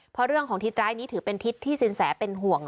เพราะเรื่องของทิศร้ายนี้ถือเป็นทิศที่สินแสเป็นห่วง